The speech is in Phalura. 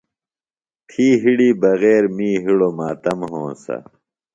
تھی ہِڑی بغیر می ہِڑوۡ ماتم ہونسہ۔